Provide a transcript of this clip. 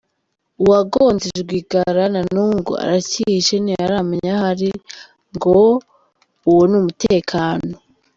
Uwagonze Rwigara na nubu ngo aracyihishe ntibaramenya aho ari; ngo uwo ni umutekano.